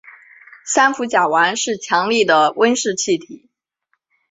三氟甲烷是强力的温室气体。